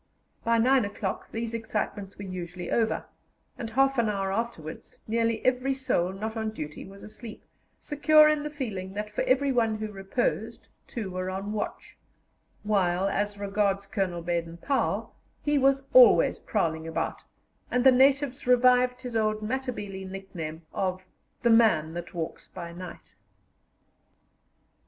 By nine o'clock these excitements were usually over, and half an hour afterwards nearly every soul not on duty was asleep, secure in the feeling that for every one who reposed two were on watch; while, as regards Colonel Baden Powell, he was always prowling about, and the natives revived his old Matabele nickname of "the man that walks by night."